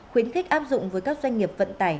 khuyến khích áp dụng với các doanh nghiệp vận tải